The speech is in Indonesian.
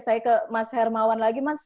saya ke mas hermawan lagi mas